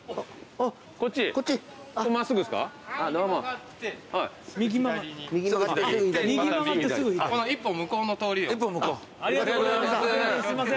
ありがとうございます。